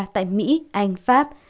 tại mỹ anh pháp